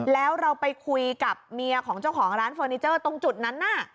แล้วเราไปคุยกับเมียของเจ้าของร้านเฟอร์นิเจอร์ตรงจุดนั้นน่ะ